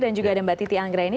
dan juga ada mbak titi anggra ini